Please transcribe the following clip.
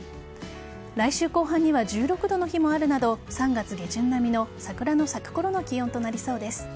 来週後半には１６度の日もあるなど３月下旬並みの桜の咲くころの気温となりそうです。